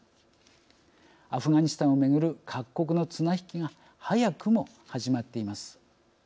アフガニスタンをめぐる各国の綱引きが早くも始まっています。